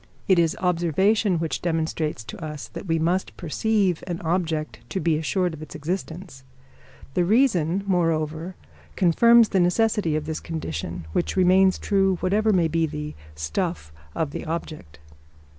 It is observation which demonstrates to us that we must perceive an object to be assured of its existence; the reason, moreover, confirms the necessity of this condition, which remains true whatever may be the "stuff" of the object.